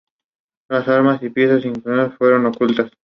Las armas y piezas inconclusas fueron ocultadas.